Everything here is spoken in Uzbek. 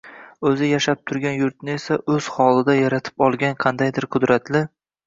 O‘zi yashab turgan yurtni esa o‘z xayolida yaratib olgan qandaydir qudratli